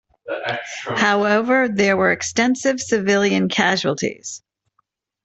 However, there were extensive civilian casualties.